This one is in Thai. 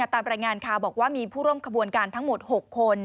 ตามรายงานข่าวบอกว่ามีผู้ร่วมขบวนการทั้งหมด๖คน